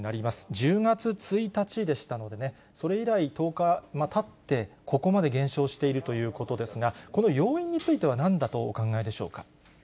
１０月１日でしたのでね、それ以来、１０日たって、ここまで減少しているということですが、この要因についてはなんだとお考えでしょうか。